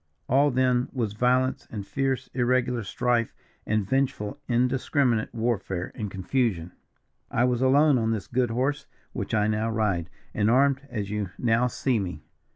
All then was violence, and fierce, irregular strife, and vengeful indiscriminate warfare and confusion. "I was alone on this good horse which I now ride, and armed as you now see me.